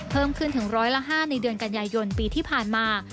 เพิ่มขึ้นถึงร้อยละ๕ในเดือนกันยายนปีที่ผ่านมา